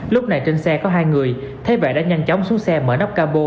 lúc này trên xe có hai người thế vệ đã nhanh chóng xuống xe mở nắp capo